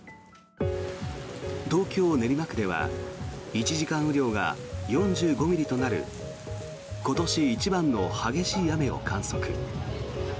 東京・練馬区では１時間雨量が４５ミリとなる今年一番の激しい雨を観測。